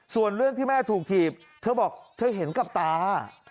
ส่วนเรื่องที่แม่ถูกถีบเธอบอกเธอเห็นกับตา